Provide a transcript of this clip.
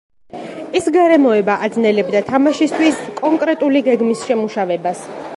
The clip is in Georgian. ეს გარემოება აძნელებდა თამაშისთვის კონკრეტული გეგმის შემუშავებას.